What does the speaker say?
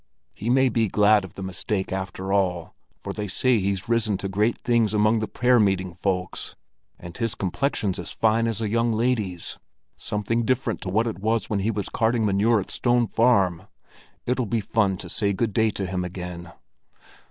He may be glad of the mistake after all, for they say he's risen to great things among the prayer meeting folks. And his complexion's as fine as a young lady's—something different to what it was when he was carting manure at Stone Farm! It'll be fun to say good day to him again."